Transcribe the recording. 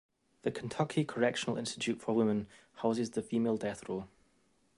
The Kentucky Correctional Institute for Women houses the female death row.